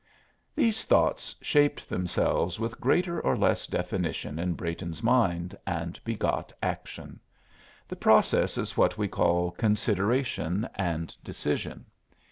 These thoughts shaped themselves with greater or less definition in Brayton's mind and begot action. The process is what we call consideration and decision.